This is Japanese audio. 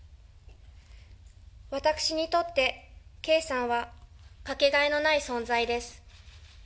私にとって圭さんは、掛けがえのない存在です。